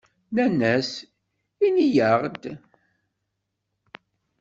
Nnan-as: "Ini-aɣ-d."